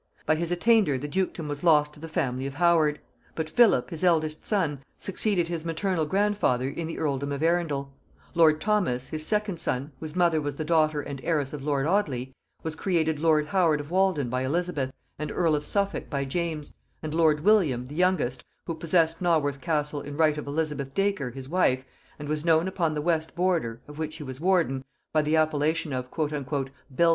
By his attainder the dukedom was lost to the family of Howard; but Philip, his eldest son, succeeded his maternal grandfather in the earldom of Arundel; lord Thomas, his second son, (whose mother was the daughter and heiress of lord Audley,) was created lord Howard of Walden by Elizabeth and earl of Suffolk by James; and lord William, the youngest, who possessed Naworth castle in right of Elizabeth Dacre his wife, and was known upon the West Border (of which he was warden) by the appellation of "Belted Will," was ancestor to the earls of Carlisle.